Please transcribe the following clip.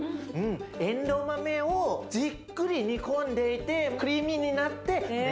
えんどう豆をじっくり煮込んでいてクリーミーになって。